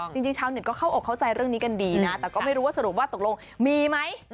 ชาวเน็ตก็เข้าอกเข้าใจเรื่องนี้กันดีนะแต่ก็ไม่รู้ว่าสรุปว่าตกลงมีไหม